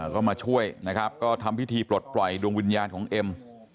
ก็มาช่วยนะครับก็ทำพิธีปลดปล่อยดวงวิญญาณของเอ็ม